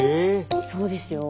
そうですよ。